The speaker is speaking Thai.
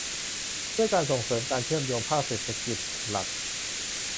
ด้วยการส่งเสริมการเชื่อมโยงภาคเศรษฐกิจหลัก